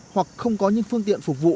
hoặc không có những phương tiện phục vụ